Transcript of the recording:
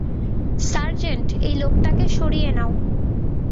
Sergeant, এই লোকটাকে সরিয়ে নাও।